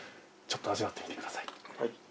ちょっと味わってみて下さい。